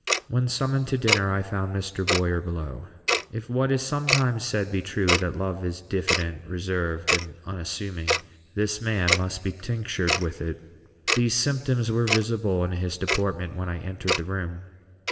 When summoned to dinner, I found Mr. Boyer below. If what is sometimes said be true, that love is diffident, reserved, and unassuming, this man must be tinctured with it. These symptoms were visible in his deportment when I entered the room.